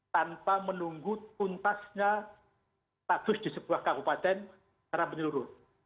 tanpa menunggu tuntasnya status di sebuah kabupaten secara menurun